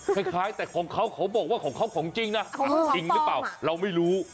คล้ายแต่ของเขาเขาบอกว่าของเขาของจริงนะจริงหรือเปล่าเราไม่รู้